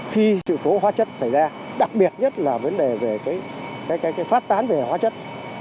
khi sự cố hóa chất xảy ra đặc biệt nhất là vấn đề về phát tán về hóa chất